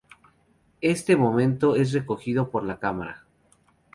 Este momento es recogido por la cámara.